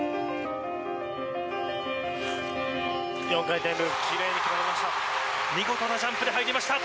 ４回転ループきれいに決まりました！